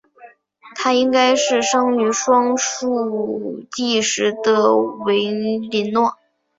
她应该是生于双树纪时的维林诺。